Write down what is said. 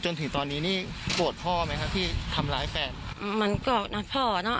จนถึงตอนนี้นี่โกรธพ่อไหมครับที่ทำร้ายแฟนมันก็นะพ่อเนอะ